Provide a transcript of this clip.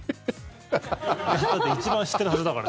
一番知ってるはずだから。